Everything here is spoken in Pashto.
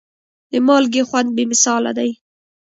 د مالګې خوند بې مثاله دی.